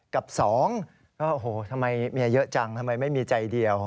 กับสองโอ้โหทำไมเมียเยอะจังทำไมไม่มีใจเดียว